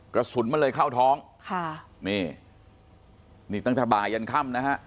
กระสุนมันเลยเข้าท้องค่ะนี่นี่ตั้งแต่บ่ายันค่ำนะฮะ